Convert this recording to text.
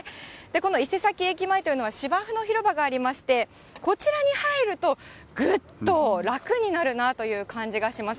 この伊勢崎駅前というのは、芝生の広場がありまして、こちらに入ると、ぐっと楽になるなという感じがします。